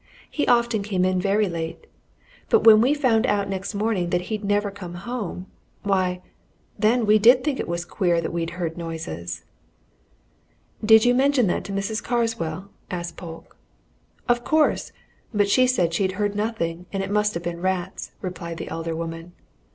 He often came in very late. But when we found out next morning that he'd never come home why, then, we did think it was queer that we'd heard noises." "Did you mention that to Mrs. Carswell?" asked Polke. "Of course! but she said she'd heard nothing, and it must have been rats," replied the elder woman.